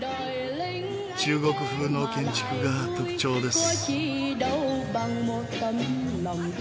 中国風の建築が特徴です。